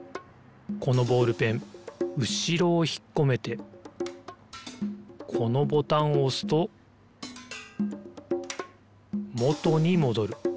このボールペンうしろをひっこめてこのボタンをおすともとにもどる。